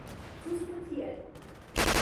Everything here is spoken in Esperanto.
Ĝuste tiel!